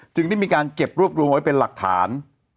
ได้มีการเก็บรวบรวมไว้เป็นหลักฐาน